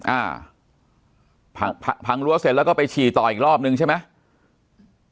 อ่าพังพังรั้วเสร็จแล้วก็ไปฉี่ต่ออีกรอบนึงใช่ไหม